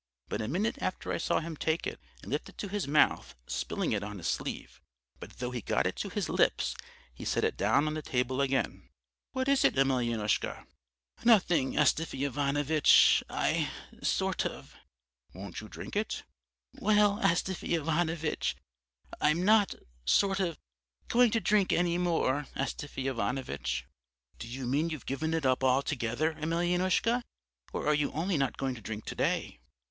But a minute after I saw him take it, and lift it to his mouth, spilling it on his sleeve. But though he got it to his lips he set it down on the table again. "'What is it, Emelyanoushka?' "'Nothing, Astafy Ivanovitch, I sort of ' "'Won't you drink it?' "'Well, Astafy Ivanovitch, I'm not sort of going to drink any more, Astafy Ivanovitch.' "'Do you mean you've given it up altogether, Emelyanoushka, or are you only not going to drink to day?'